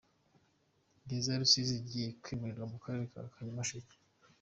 Gereza ya Rusizi igiye kwimurirwa mu Karere ka Nyamasheke